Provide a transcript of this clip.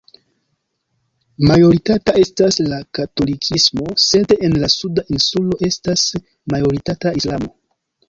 Majoritata estas la katolikismo, sed en la suda insulo estas majoritata Islamo.